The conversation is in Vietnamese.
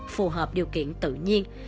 phù hợp điều kiện tự nhiên